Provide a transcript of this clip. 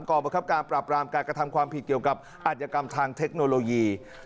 ประคับการปราบรามการกระทำความผิดเกี่ยวกับอัธยกรรมทางเทคโนโลยี